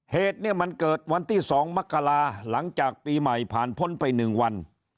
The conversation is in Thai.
เหตุเนี่ยมันเกิดวันที่๒มกราหลังจากปีใหม่ผ่านพ้นไป๑วัน